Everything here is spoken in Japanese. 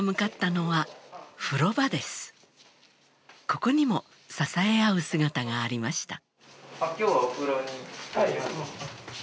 ここにも支え合う姿がありました。